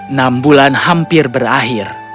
enam bulan hampir berakhir